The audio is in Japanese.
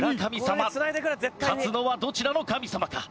勝つのはどちらの神様か？